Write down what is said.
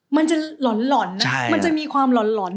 มันจะหล่อนนะมันจะมีความหล่อน